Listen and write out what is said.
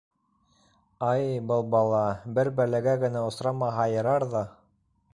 Ай, был бала, бер бәләгә генә осрамаһа ярар ҙа...